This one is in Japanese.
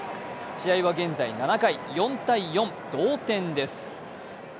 試合は現在７回、４−４、同点です。